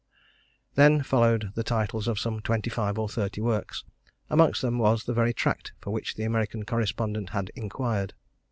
Then followed the titles of some twenty five or thirty works amongst them was the very tract for which the American correspondent had inquired.